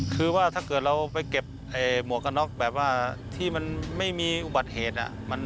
คือว่าถ้าเกิดเราไปเก็บหมวกกันน็อกแบบว่าที่มันไม่มีอุบัติเหตุ